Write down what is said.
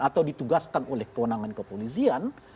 atau ditugaskan oleh kewenangan kepolisian